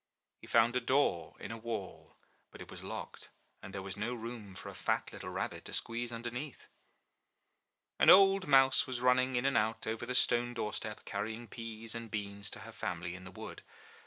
He found a door in a wall; but it was locked, and there was no room for a fat little rabbit to squeeze underneath. An old mouse was run ning in and out over the stone doorstep, carrying peas and beans to her family in the wood.